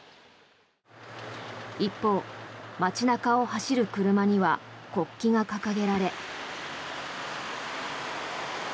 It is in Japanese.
一方、街中を走る車には国旗が掲げられ。